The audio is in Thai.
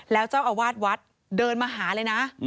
แล้วเจ้าอาวาสวัดเดินมาหาเลยนะ